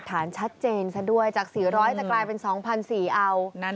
ฐานชัดเจนซะด้วยจาก๔๐๐จะกลายเป็น๒๔๐๐เอา